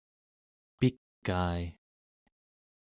pikai